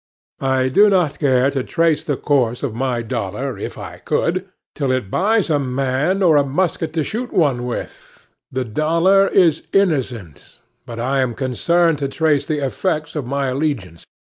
I do not care to trace the course of my dollar, if I could, till it buys a man, or a musket to shoot one with,—the dollar is innocent,—but I am concerned to trace the effects of my allegiance.